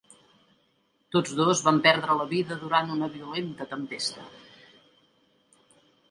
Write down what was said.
Tots dos van perdre la vida durant una violenta tempesta.